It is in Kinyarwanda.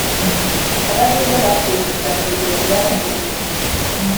abahinde Bakurikizaga imigenzo y Abahindu